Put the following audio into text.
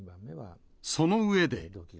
その上で。